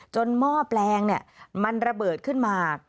หม้อแปลงมันระเบิดขึ้นมา